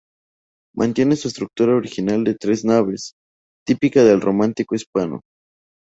Mantiene su estructura original de tres naves, típica del románico hispano.